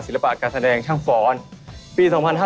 ดีมากดีมากดีมาก